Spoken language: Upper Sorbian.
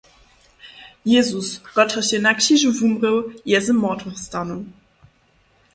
Jězus, kotryž je na křižu wumrěł, je z mortwych stanył.